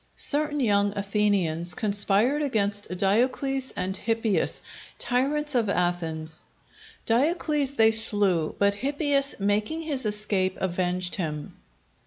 Certain young Athenians conspired against Diocles and Hippias, tyrants of Athens. Diocles they slew; but Hippias, making his escape, avenged him.